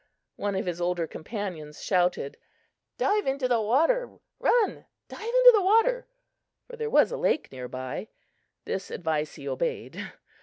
One of his older companions shouted: "Dive into the water! Run! Dive into the water!" for there was a lake near by. This advice he obeyed.